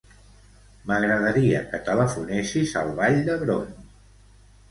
M'agradaria que telefonessis al Vall d'Hebron.